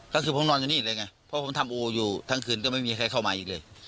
ก็คือผมนอนอยู่นี่เลยไงเพราะผมทำอูอยู่ทั้งคืนก็ไม่มีใครเข้ามาอีกเลย